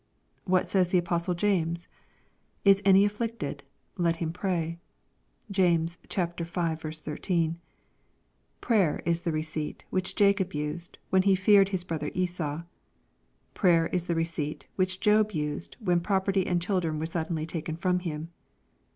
What says the apostle James ?" Is any afflicted ? let him pray." (James v. 13.) Prayer is the receipt which Jacob used, when he feared his brother Esau. — Prayer is the receipt which Job used when property and children were suddenly taken from him.